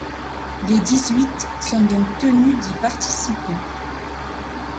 Les dix-huit sont donc tenues d'y participer.